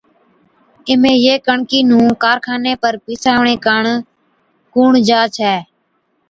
اِمھين يي ڪڻڪِي نُون ڪارخاني پر پِيساوَڻي ڪاڻ ڪُوڻ جا ڇي؟